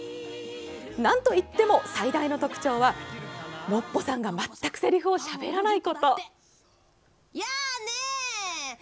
なんといっても最大の特徴はノッポさんが全くせりふをしゃべらないこと。